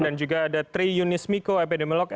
dan juga ada tri yunis miko epidemiolog